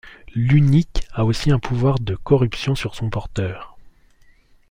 L'Unique a aussi un pouvoir de corruption sur son porteur.